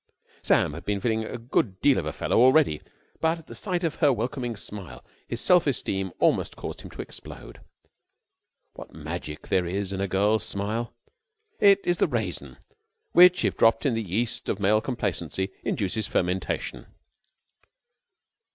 Sam had been feeling a good deal of a fellow already, but at the sight of her welcoming smile his self esteem almost caused him to explode. What magic there is in a girl's smile! It is the raisin which, dropped in the yeast of male complacency, induces fermentation.